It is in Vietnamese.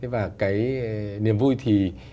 và cái niềm vui thì